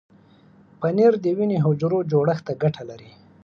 پنېر د وینې حجرو جوړښت ته ګټه لري.